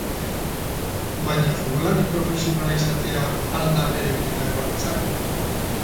Baina futbolari profesionala izatea al da bere benetako ametsa?